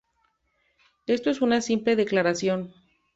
Esto es una simple declaración.